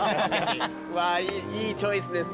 いいチョイスですね。